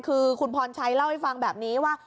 คือคุณพรชัยเล่าให้ฟังแบบนี้ว่า